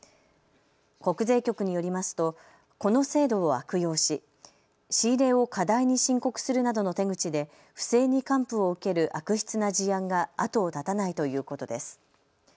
国税局によりますとこの制度を悪用し仕入れを過大に申告するなどの手口で不正に還付を受ける悪質な事案が後を絶たないということです。